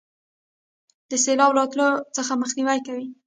د سیلاب راتللو څخه مخنیوي کوي.